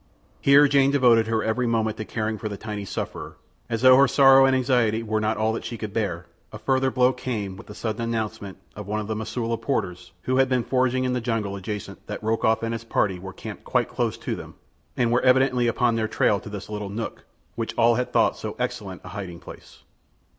Here Jane devoted her every moment to caring for the tiny sufferer, and as though her sorrow and anxiety were not all that she could bear, a further blow came with the sudden announcement of one of the Mosula porters who had been foraging in the jungle adjacent that Rokoff and his party were camped quite close to them, and were evidently upon their trail to this little nook which all had thought so excellent a hiding place.